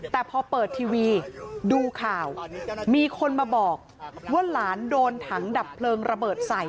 แต่พอเปิดทีวีดูข่าวมีคนมาบอกว่าหลานโดนถังดับเพลิงระเบิดใส่